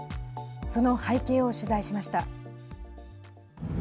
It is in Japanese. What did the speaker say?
その背景を取材しました。